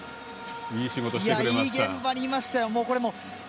いい現場にいましたよ！